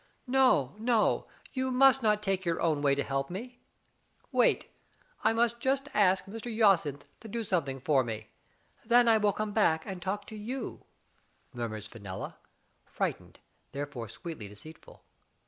"No, no, you must not take your own way to help me. Wait— I must just ask Mr. Jacynth to do something for me. Then I will come back and talk to you^' murmurs Fenella, frightened, therefore sweetly deceitful.